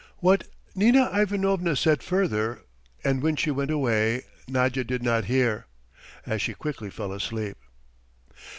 What Nina Ivanovna said further and when she went away, Nadya did not hear, as she quickly fell asleep.